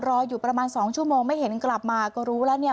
รออยู่ประมาณสองชั่วโมงไม่เห็นกลับมาก็รู้แล้วเนี่ย